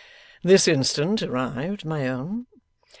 'This instant arrived, my own.